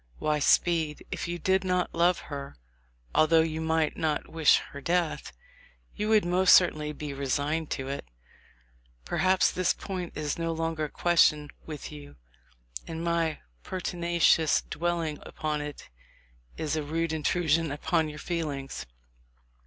Why, Speed, if you did not love her, although you might not wish her death, you would most certainly be re signed to it. Perhaps this point is no longer a ques tion with you, and my pertinacious dwelling upon it is a rude intrusion upon your feelings.